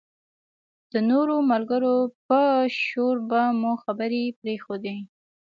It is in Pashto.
د نورو ملګرو په شور به مو خبرې پرېښودې.